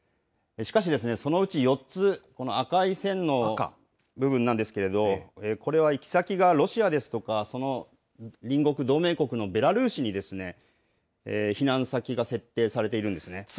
しかしそのうち４つ、この赤い線の部分なんですけれども、これは行き先がロシアですとか、その隣国、同盟国のベラルーシに避難先が設定されているんですね。